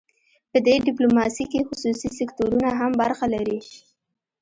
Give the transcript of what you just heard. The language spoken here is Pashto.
په دې ډیپلوماسي کې خصوصي سکتورونه هم برخه لري